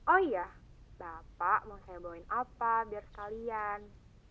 oh iya bapak mau hebohin apa biar sekalian